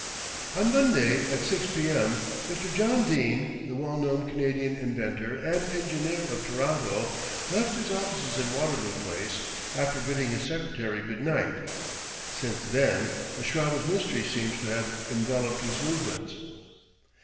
"On Monday at 6 p.m., Mr. John Dene, the well known Canadian inventor and engineer of Toronto, left his offices in Waterloo Place, after bidding his secretary good night. Since then a shroud of mystery seems to have enveloped his movements.